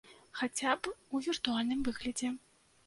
Хаця б у віртуальным выглядзе.